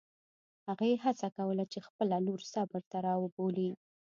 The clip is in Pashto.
هغې هڅه کوله چې خپله لور صبر ته راوبولي.